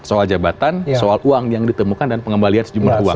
soal jabatan soal uang yang ditemukan dan pengembalian sejumlah uang